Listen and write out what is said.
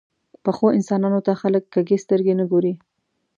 پخو انسانانو ته خلک کږې سترګې نه ګوري